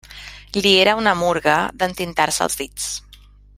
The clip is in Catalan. Li era una murga d’entintar-se els dits.